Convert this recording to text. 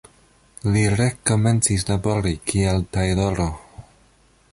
Li rekomencis labori kiel tajloro.